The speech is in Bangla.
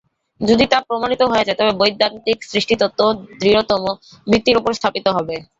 তা যদি প্রমাণিত হয়ে যায়, তবে বৈদান্তিক সৃষ্টিতত্ত্ব দৃঢ়তম ভিত্তির উপর স্থাপিত হবে।